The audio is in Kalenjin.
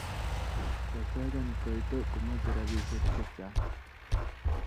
kesakan kaita komochei robishe chechang